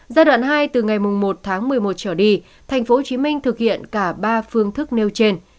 giai đoạn hai từ ngày một tháng một mươi một trở đi tp hcm thực hiện cả ba phương thức nêu trên